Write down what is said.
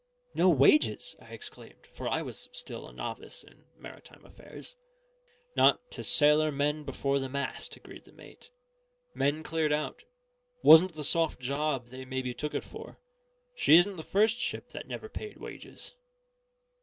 "No wages?" I exclaimed, for I was still a novice in maritime affairs. "Not to sailor men before the mast," agreed the mate. "Men cleared out; wasn't the soft job they maybe took it for. She isn' the first ship that never paid wages."